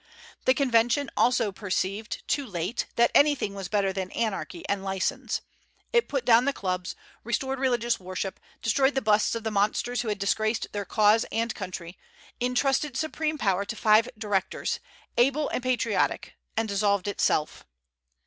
The Convention also perceived, too late, that anything was better than anarchy and license. It put down the clubs, restored religious worship, destroyed the busts of the monsters who had disgraced their cause and country, intrusted supreme power to five Directors, able and patriotic, and dissolved itself.